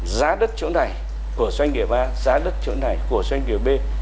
giá đất chỗ này của doanh nghiệp ba giá đất chỗ này của doanh nghiệp b